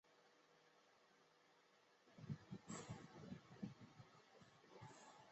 阿普里马克河与曼塔罗河汇流成为埃纳河。